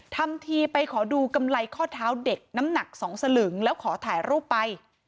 ทำทีไปขอดูกำไรข้อเท้าเด็กน้ำหนัก๒สลึงแล้วขอถ่ายรูปไป